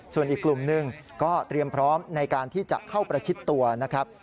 ส่วนอีกกลุ่มหนึ่งก็เตรียมพร้อมในการที่จะเข้าประชิดตัวนะครับ